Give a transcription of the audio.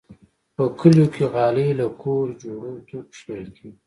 په کلیو کې غالۍ له کور جوړو توکو شمېرل کېږي.